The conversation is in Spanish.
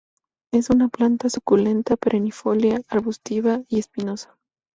Es una planta suculenta perennifolia, arbustiva y espinosa.